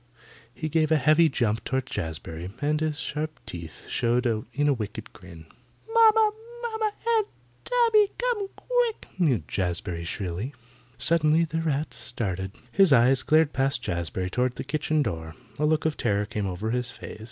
He gave a heavy jump toward Jazbury, and his sharp teeth showed in a wicked grin. "Momma! Momma! Aunt Tabby! Come quick," mewed Jazbury shrilly. Suddenly the rat started. His eyes glared past Jazbury toward the kitchen door. A look of terror came over his face.